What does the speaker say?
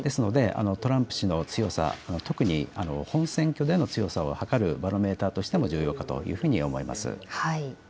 ですので、トランプ氏の強さ、特に本選挙での強さをはかるバロメーターとしても重要かというふうに思います。